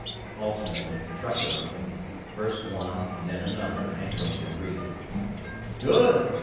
Ultimately, truculently, first one and then another angrily agreed. "Good!"